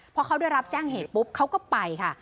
พอเขาได้รับแจ้งเหตุปุ๊บเขาก็ไปค่ะ